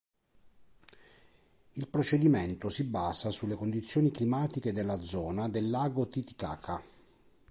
Il procedimento si basa sulle condizioni climatiche della zona del lago Titicaca.